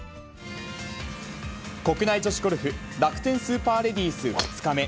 国内女子ゴルフ、楽天スーパーレディース２日目。